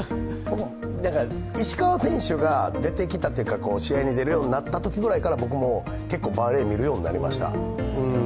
石川選手が出てきたというか、試合に出るようになったときぐらいから僕も、結構バレー見るようになりました。